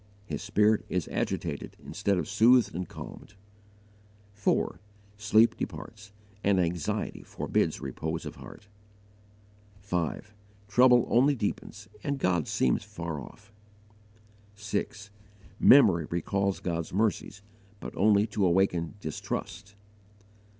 His spirit is agitated instead of soothed and calmed. 4. Sleep departs, and anxiety forbids repose of heart. 5. Trouble only deepens and God seems far off. 6. Memory recalls God's mercies, but only to awaken distrust.